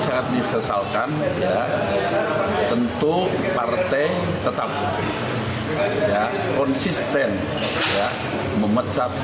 dan kemudian semua administrasi nanti akan dipeletekan